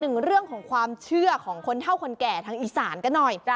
หนึ่งเรื่องของความเชื่อของคนเท่าคนแก่ทางอีสานกันหน่อย